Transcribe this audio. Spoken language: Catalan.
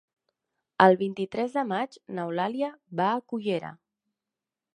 El vint-i-tres de maig n'Eulàlia va a Cullera.